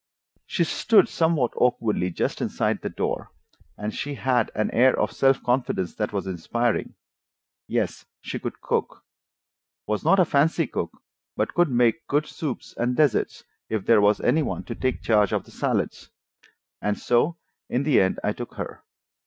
She stood somewhat awkwardly just inside the door, and she had an air of self confidence that was inspiring. Yes, she could cook; was not a fancy cook, but could make good soups and desserts if there was any one to take charge of the salads. And so, in the end, I took her.